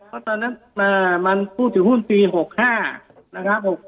เพราะตอนนั้นมันพูดถึงหุ้นปี๖๕นะครับ